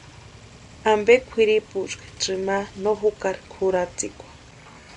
¿Ampe kwʼiripuski tsʼïma no jukari kʼuratsikwa?